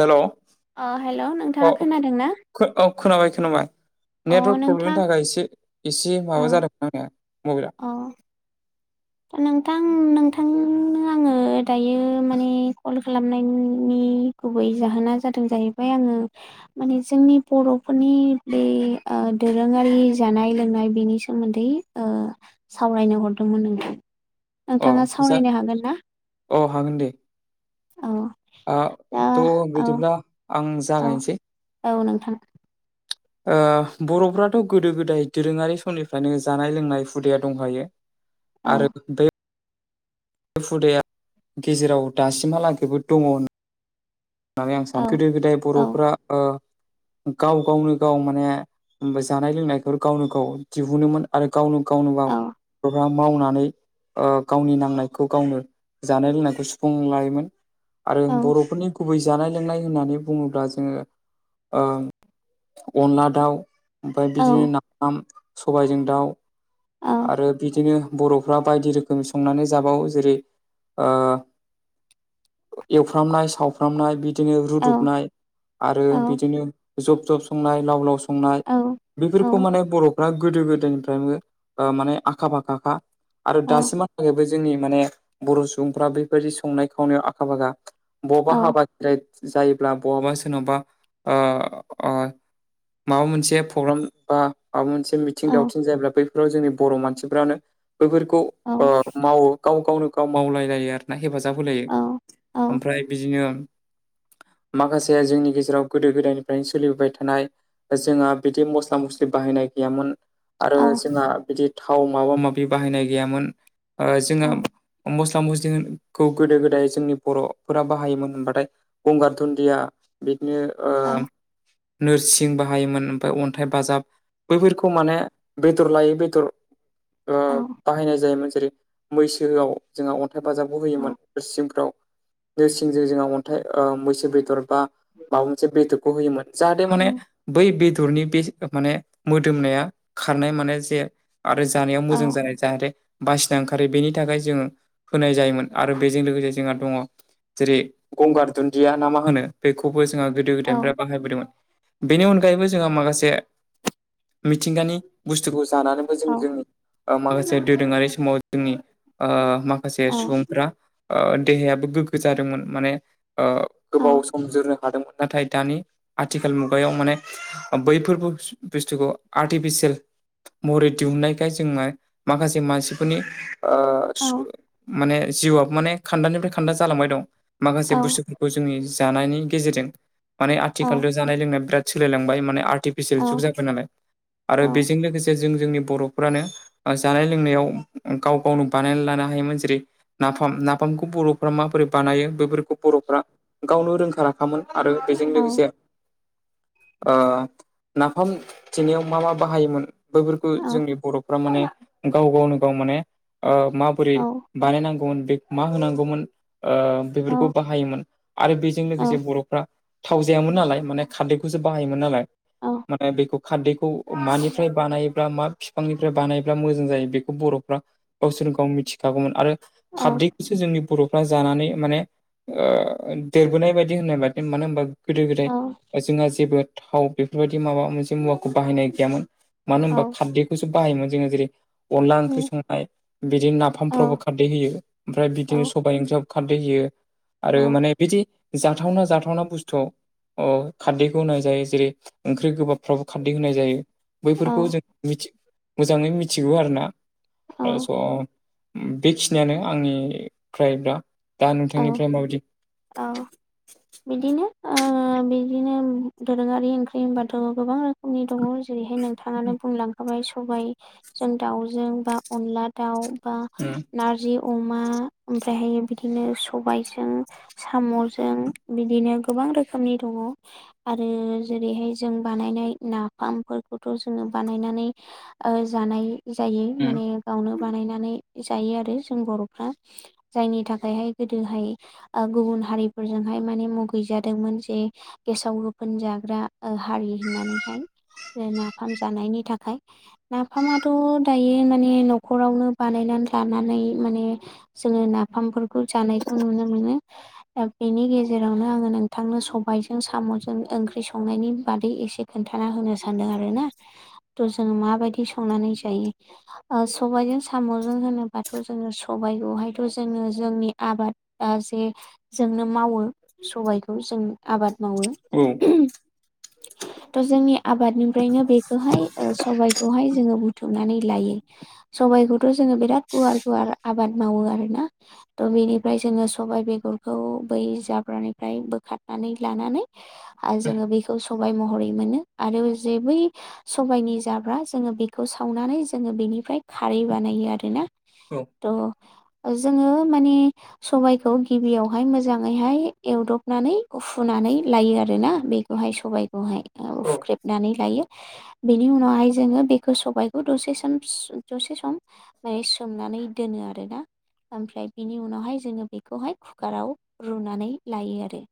हेल' अ हेल' नोंथाङा खोनादों ना? औ खोनाबाय खोनाबाय अ नेटवर्क नोंथां प्रब्लेमनि थाखाय एसे इसे माबा जादोंमोन आंनिया मबिला अ नोंथां नोंथांनो आङो दायो माने कल खालामनायनि गुबै जाहोना जादों जाहैबाय आङो माने जोंनि बर'फोरनि बे दोरोङारि ओ जानाय लोंनाय बेनि सोमोन्दै ओ सावरायनो हरदोंमोन नों अ जा अ हागोन दे औ ओ दा थ' औ बिदिब्ला आं औ जागायनोसै औ नोंथां। ओ बर'फ्राथ' गोदो गोदाय दोरोङारि समनिफ्रायनो जानाय लोंनाय हुदाया दंहायो। औ आरो दै हुदाया गेजेराव दासिमहालागैबो दङ। होननानै आं औ सानो गोदो गोदाय औ बर'फोरा ओ गाव गावनो गाव माने जानाय लोंनायफोर गावनो गाव दिहुनोमोन आरो गावनो गावनो गाव औ गोबां मावनानै गावनि नांनायखौ गावनो जानाय लोंनायखौ सुफुंना लायोमोन। आरो औ बर'फोरनि दै जानाय लोंनाय होननानै बुङोब्ला जोङो अनला दाउ ओमफाय औ बिदिनो नाफाम सबायजों दाउ औ औ आरो बिदिनो बर'फ्रा बायदि रोखोम संनानै जाबावो जेरै ओ एवफ्रामनाय सावफ्राम खुामनाय बिदिनो रुदबनाय आरो बिदिनो जब जब संनाय लाव लाव सं संनाय औ बेफोरखौ औ माने बर'फ्रा गोदो गोदायनिफ्रायनो माने आखा फाखाखा। आरो औ दासिम हा जाहैबाय जोंनि माने बर' सुबुंफ्रा बेबायदि संनाय खावनायाव आखा फाखा औ बबेबा हाबा जायोब्ला बहाबा सोरनावबा ओ ओ माबा मोनसे प्रग्राम बा माबा मोनसे मि औ आथिं दावथिं जायोब्ला बैफोराव जोंनि बर' मानसिफ्रानो बैफोरखौ औ ओ मावो। गाव गावनो गाव मावलायलायो आर ना हेफाजाब होलायो औ ओमफ्राय बिदिनो माखासे जोंनि गेजेराव गोदो गोदायनिफ्रायनो सोलिबोबाय थानाय। जोंहा बिदि मस्ला मस्लि बाहायनाय गैयामोन। आरो औ जोंहा बिदि थाव माबा माबि बाहायनाय गैयामोन। जोङो मस्ला मस्लिखौ गोदो गोदाय जोंनि बर'फोरा बाहायोमोन होनबाथाय। गंगार धुन्दिया बिदिनो औ नोरसिं बाहायोमोन ओमफ्राय अन्थाइ बाजाब बैफोरखौ माने बेदर लायै बेदर ओ औ बाहायनाय जायोमोन जेरै मैसोआव जोंहा अन्थाइ बाजाबबो होयोमोन औ नोरसिंफ्राव नोरसिंजों जोंहा अन्थाइ मैसो बेदर बा माबा मोनसे बेदरखौ होयोमोन जाहाथे माने उम बै बेदरनि बे माने मोदोमनाया खारनाय माने जे आरो जानायाव औ मोजां जानाय जाहाथे बासिना ओंखारो बेनि थाखाय जोङो होनाय जायोमोन आरो बेजों लोगोसे जोंहा दङ जेरै गंगार दुन्दिया ना मा होनो बेखौबो जोंहा गोदो औ गोदायनिफ्राय बाहायबोदोंमोन। बेनि अनगायैबो जोंहा माखासे मिथिंगानि बुस्थुखौ जानानैबो औ जों जोंनि माखासे दोरोङारि समाव जोंनि ओ माखासे औ सुबुंफ्रा देहायाबो गोग्गो जादोंमोन माने गोबाव सम जोरनो हादोंमोन नाथाय दानि आथिखाल मुगायाव माने बैफोरबो बुस्थुखौ आर्टिफिसियेल महरै दिहुननायखाय जोङो माखासे मानसिफोरनि औ [unintelligible] माने जिउआ माने खान्दानिफ्राय खान्दा जालांबाय दं। औ माखासे औ बुस्थुफोरखौ जोंनि जानायनि गेजेरजों माने औ आथिखालथ' जानाय लोंनाय बिराद सोलायलांबाय माने आर्टिफिसियेल जुग उम जाबाय नालाय आरो औ बेजों लोगोसे जों जोंनि बर'फोरानो जानाय लोंनायाव गाव गावनो बानायना लानो हायोमोन जेरै नाफाम नाफामखौ बर'फ्रा माबोरै बानायो बे बेफोरखौ बर'फ्रा गावनो रोंखा राखामोन आरो औ बेजों लोगोसे नाफाम थेनायाव मा मा बाहायोमोन? बैफोरखौ जोंनि बर'फ्रा माने गाव गावनो गाव माने माबोरै बानायनांगौमोन बे मा होनांगौमोन बेफोरखौ बाहायोमोन। आरो बेजों लोगोसे बर'फ्रा थाव जायामोन नालाय माने खारदैखौसो बाहायोमोन नालाय। माने बेखौ खारदैखौ मानिफ्राय बानाय बा मा बिफांनिफ्राय बानायब्ला मोजां जायो बेखौ बर'फ्रा गावसोरनो गाव मिथिखागौमोन आरो खारदैखौसो जोंनि बर'फ्रा जानानै माने देरबोनाय बायदि होननाय बायदि मानो होनबा गोदो गोदाय जोंहा जेबो थाव बेफोरबायदि माबा मोनसे मुवाखौ बाहायनाय गैयामोन। मानो होनबा खारदैखौ बाहायोन जोङो जेरै अनला ओंख्रि संनाय बिदिनो नाफामफ्रावो खारदै होयो ओमफ्राय बिदिनो सबायाइ ओंख्रियाव खारदै होयो आरो माने बिदि जाथावना जाथावना बुस्थुआव अ खारदैखौ होनाय जायो जेरै ओंख्रि गोबाबफ्रावबो खारदै होनाय जायो। बैफोरखौ जों मिथि मोजाङै मिथिगौ आरोना। स' ओ बेखिनियानो आंनिफ्राय दा। दा नोंथांनिफ्राय औ माबायदि औ बिदिनो ओ बिदिनो दोरोङारि ओंख्रि होनबाथ' गोबां रोखोमनि दं। जेरैहाय नोंथाङानो बुंलांखाबाय सबायजों दाउजों बा अनला दाउ बा [unintelligible] नारजि अमा ओमफ्रायहायो बिदिनो सबायजों साम'जों बिदिनो गोबां रोखोमनि दङ। आरो जेरैहाय जों बानायनाय नाफामफोरखौथ' जोङो बानायनानै ओ जानाय जायो उम माने गावनो बानायनानै जायो आरो जों बर'फ्रा जायनि थाखायहाय गोदोहाय ओ गुबुन हारिफोरजोंहाय माने मुगैजादोंमोन जे गेसाव गोफोन जाग्रा हारि होननानैहाय नाफाम जानायनि थाखाय। नाफामाथ' दायो माने न'खरावनो बानायनानै लानानै माने जोङो नाफामफोरखौ जानायखौ नुनो मोनो। दा बेनि गेजेरावनो आङो नोंथांनो सबायजों साम'जों ओंख्रि संनायनि बादै एसे खोन्थाना होनो सानदों आरो ना। थ' जों माबायदि संनानै जायो। ओ सबायाइजों साम'जों होनोबाथ' जोङो सबायाइखौहायथ' जोङो जोंनि आबाद जे जोंनो मावो सबायखौ जों आबाद मावो औ उम थ' जोंनि आबादनिफ्रायनो बेखौहाय सबबायखौहाय जोङो बुथुमनानै लायो सबायाइखौथ' जोङो बिराद गुवार गुवार आबाद मावो आरोना। त' बेनिफ्राय जोङो सबायाइ बेगरखौ बै जाब्रानिफ्राय बोखारनानै लानानै आरो जोङो बेखौ सबाय महरै मोनो आरो जे बै सबायाइनि जाब्रा जोङो बेखौ सावनानै जोङो बेनिफ्राय खारै बानायो आरोना। औ उम थ' जोङो माने सबाइखौ गिबियावहाय मोजाङैहाय एवदबनानै उफुनानै लायो आरोना बे खौहाय सबायाइखौहाय औ हुख्रेबनानै लायो बेनि उनावहाय जोङो बेखौ सबायाइखौ दसे सम दसे सम माने सोमनानै दोनो आरो ना ओमफ्राय बेनि उनावहाय जोङो बेखौहाय कुकाराव रुनानै लायो आरो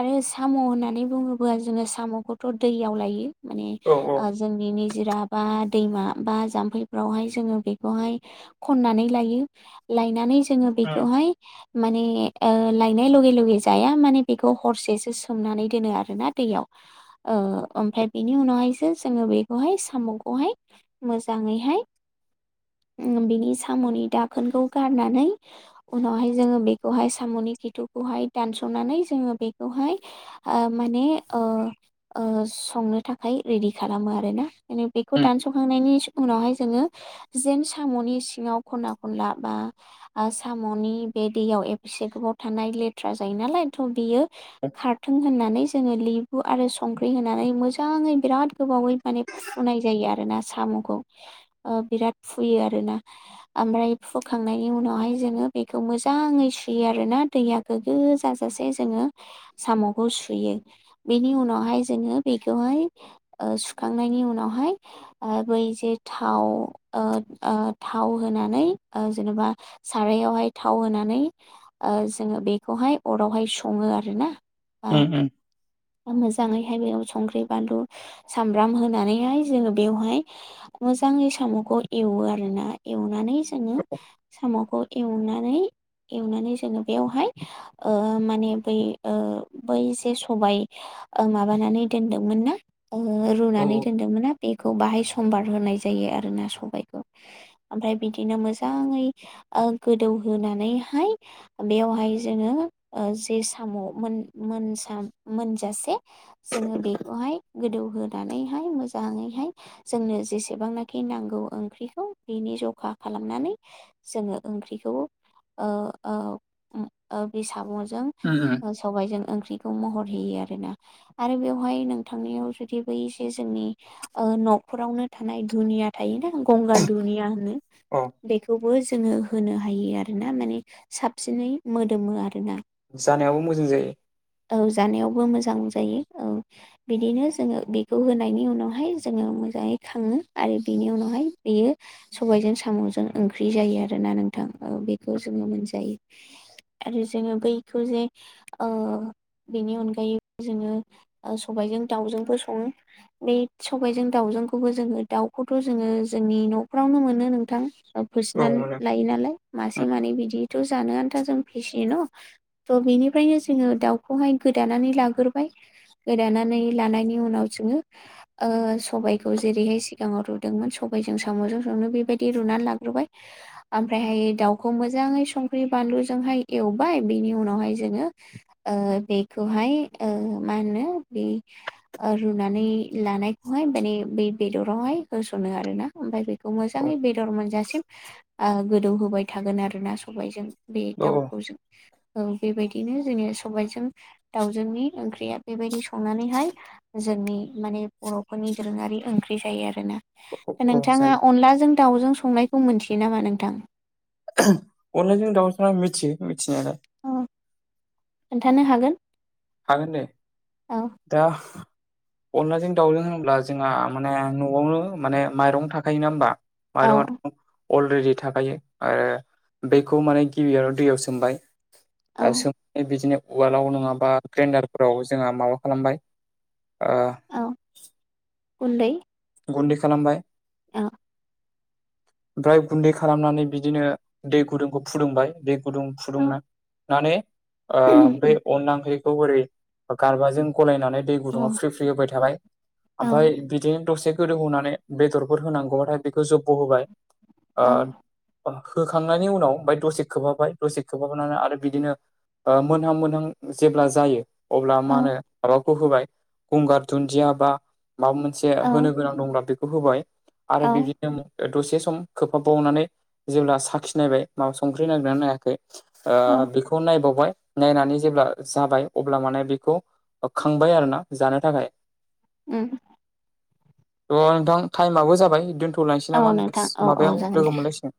आरो साम' होननानै बुङोब्ला जोङो साम'खौथ' दैयाव लायो माने औ औ जोंनि निजिरा बा दैमा बा जाम्फैफ्रावहाय जोङो बेखौहाय खननानै लायो लायनानै जोङो उम बेखौहाय माने ओ लायनाय लगे लगे जाया माने बेखौ हरसेसो सोमनानै दोनो आरोना। दैयाव। ओ ओमफ्राय बेनि उनावहायसो जोङो बेखौहाय साम'खौहाय मोजाङैहाय उ बिनि साम'नि दाखोनखौ गारनानै उनावहाय जोङो बेखौहाय साम'नि खिथुखौहाय दानस'नानै जोङो बेखौहाय ओ माने ओ ओ संनो थाखाय रेडि खालामो आरोना। माने बेखौ उम दानस'खांनायनि उनावहाय जोङो जेन साम'नि सिङाव खना खनला बा आं साम'नि बे दैयाव एबसे गोबाव थानाय लेथ्रा जायो नालाय थ' बियो खारथों होननानै जोङो लि हु आरो संख्रि होनानै मोजाङै बिराद गोबावै माने फुनाय जायो आरो ना साम'खौ। ओ बिराद फुयो आरो ना ओमफ्राय फुखांनायनि उनाव हाय जोङो बेखो मोजाङै सुयो आरोना दैया गोग्गो जाजासे जोङो। साम'खौ सुयो बेनि उनावहाय जोङो बेखौहाय ओ सुखांनायनि उनावहाय ओ बै जे थाव ओ ओ थाव होनानै ओ जेनबा सारायावहाय थाव होनानै ओ जोङो बेखौहाय अरावहाय सङो आरो ना। उम उम। मोजाङैहाय बेयाव संख्रि बानलु सामब्राम होनानैहाय जोङो बेवहाय मोजाङै साम'खौ एवो आरोना एवनानै जोङो साम' खौ एवनानै एवनानै जोङो बेवहाय ओ माने बै ओ बै जे सबाय ओ माबानानै दोनदोंमोन ना ओ औ रुनानै दोनदोंमोनना बेखौ बाहाय समबार होनाय जायो आरोना सबायखौ। ओमफ्राय बिदिनो मोजाङै ओ गोदौहोनानैहाय बेवहाय जोङो ओ जे साम' मोन मोनसाम मोनजासे। जोङो बेखौहाय गोदौहोनानैहाय मोजाङैहाय जोंनो जेसेबांनाखि नांगौ ओंख्रिखौ बेनि जखा खालामनानै जोङो ओंख्रिखौ ओ ओ ओम बे साब'जों ओम ओम। सबायजों ओंख्रिखौ महर होयो आरोना। आरो बेवहाय नोंथांनियाव जुदि बै जे जोंनि न'खरावनो थानाय दुनिया थायोना गंगार धुनिया होनो। औ। बेखौबो जोङो होनो हायो आरोना माने साबसिनै मोदोमो आरोना। जानायावो मोजां जायो। औ जानायावबो मोजां जायो औ। बिदिनो जोङो बेखौ होनायनि उनावहाय जोङो मोजाङै खाङो आरो बिनि उनावहाय बेयो सबायजों साम'जों ओंख्रि जायो आरोना नोंथां। औ बेखौ जोङो मोनजायो‌। आरो जोङो बैखौ जे ओ बेनि अनगायै जोङो सबायजों दाउजोंबो सङो। बे सबायाइजों दाउजोंखौबो जोङो दाउखौथ' जोङो जोंनि न'फ्रावनो मोनो नोंथां। औ फोसनानै मोनो लायो नालाय उम मासे मानै बिदिथ' जानो आन्था जों फिसियो न'। थ' बेनिफ्रायनो जोङो दाउखौहाय गोदानानै लाग्रोबाय। गोदानानै लानायनि उनाव जोङो ओ सबायखौ जेरैहाय सिगाङाव रुदोंमोन सबायाइजों साम'जों संनो बे बेदि रुनानै लाग्रोबाय। ओमफ्रायहायो दाउखौ मोजाङै संख्रि बानलुजोंहाय एवबाय बेनि उनावहाय जोङो ओ बेखौहाय ओ मा होनो बे रुनानै लानायखौहाय माने बै बेदरावहाय होसनो आरो ना ओमफाय बे खौ औ मोजाङै बेदर मोनजासिम ओ गोदौ होबाय थागोन आरोना सबायजों। बे औ दाउखौ जों ओ बेबायदिनो जोङो सबायजों दावजोंनि ओंख्रिया बेबायदि संनानैहाय जोंनि माने बर'फोरनि दोरोङारि ओंख्रि जायो आरोना। औ नोंथाङा जायो अनलाजों दाउजों संनायखौ मोनथियो नामा नोंथां? अनलाजों दाउजों आं मिथियो मिथिनायालाय। अ खोन्थानो हागोन। हागोन दे। औ। दा अनलाजों दाउजों होनोब्ला जोंहा माने न'आवनो माने माइरं थाखायोना होमबा। औ माइरंआथ' अलरेडि थाखायो आरो बेखौ माने गिबियावनो दैयाव सोमबाय। ओ औ सोमबाय बिदिनो उवालाव नङाबा ग्रेडारफोराव जोंहा माबा खालामबाय ओ औ गुन्दै गुन्दै खालामबाय। औ। ओमफ्राय गुन्दै खालामनानै बिदिनो दै गुदुंखौ फुदुंबाय। दै गुदुं औ फुदुंना नै ओ बे अनला ओख्रिखौ बोरै गारबाजों गलायनानै दै औ गुदुङाव फ्रि फ्रि होबाय थाबाय। औ ओमफ्राय बिदिनो दसे गोदौ होनानै बेदरफोर होनांगौबाथाय बेखौ जब्ब' होबाय। ओ होखांनायनि उनाव ओमफ्राय दसे खोबहाबाय दसे खोबहाबानानै आरो बिदिनो ओ मोनहां मोनहां जेब्ला जायो अब्ला औ मा होनो रावखौ होबाय गंगार दुन्दिया बा माबा मोन [unintelligible] होनो गोनां दंब्ला बेखौ होबाय आरो औ बिदिनो ओ दसे सम खोबहाब बावनानै जेब्ला साखिनायबाय मा संख्रि नांगोनना नायाखै। ओ बेखौ नायबावबाय नायनानै जेब्ला जाबाय अब्ला माने बेखौ ओ खांबाय आरोना जानो थाखाय। उम। थ' नोंथां टाइमाबो जाबाय दोनथ'लांसै औ नामा नोंथां एक्स औ औ माबायाव जागोन दे लोगो मोनलायसिगोन।